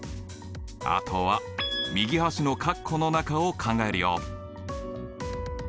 あとは右端のカッコの中を考えるよ。